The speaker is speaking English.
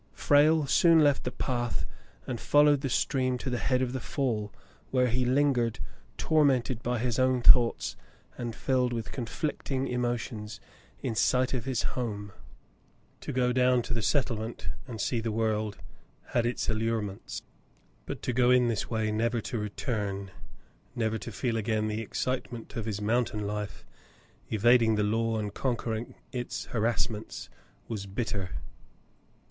Frale soon left the path and followed the stream to the head of the fall, where he lingered, tormented by his own thoughts and filled with conflicting emotions, in sight of his home. To go down to the settlement and see the world had its allurements, but to go in this way, never to return, never 68 Frale goes to Farington 69 to feel again the excitement of his mountain life, evading the law and conquering its harassments, was bitter.